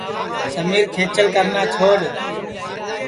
سمیر کھنٚچل کرنا چھوڈؔ